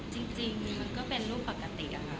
จริงมันก็เป็นรูปปกติอะค่ะ